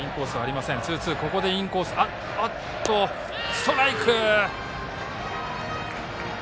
ストライク！